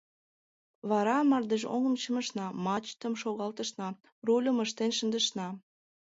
Вара мардежоҥым чымышна, мачтым шогалтышна, рульым ыштен шындышна.